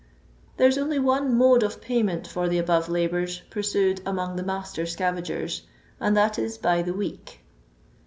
There is only one mode qf payment for the above labours pursued among the master scavagers, and that if by the week.